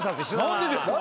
何でですか？